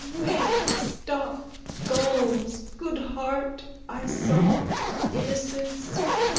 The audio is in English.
_ Wait. Stop. Gulls. Good heart. I saw. Innocence.